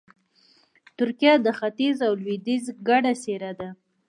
ترکیه د ختیځ او لویدیځ ګډه څېره ده.